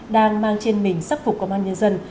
đang mang trên mình sắc phục công an nhân dân